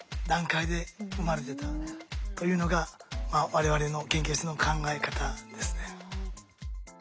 段階で生まれてたというのが我々の研究室の考え方ですね。